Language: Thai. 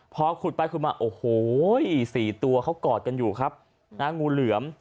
พอขุดไปขุดมาโอ้โห๔ตัวเขากอดกันอยู่ครับนะงูเหลือม